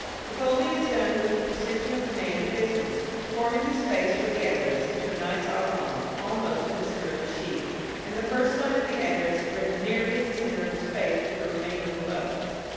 The folding is done with the precision of a man of business, forming the space for the address into a nice oblong almost in the centre of the sheet, and the first line of the address is written nearly in the centre of the space with the remainder below.